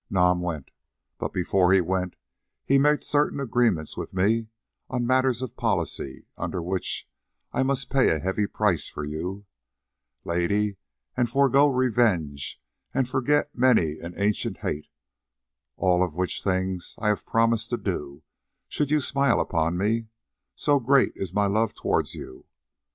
"Nam went, but before he went he made certain agreements with me on matters of policy, under which I must pay a heavy price for you, Lady, and forego revenge and forget many an ancient hate, all of which things I have promised to do should you smile upon me, so great is my love towards you.